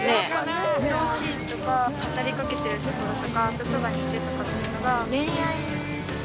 「愛しい」とか語りかけてるところとか「ずっとそばにいて」とかっていうのが。